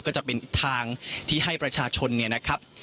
ก็จะเป็นอีกทางที่ให้ประชาชนเนี่ยนะครับ